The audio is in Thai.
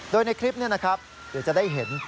โดยในคลิปนี้นะครับเดี๋ยวจะได้เห็น